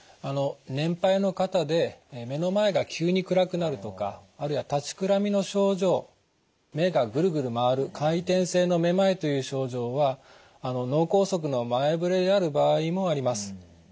年配の方で目の前が急に暗くなるとかあるいは立ちくらみの症状目がぐるぐる回る回転性のめまいという症状は脳梗塞の前触れである場合もあります。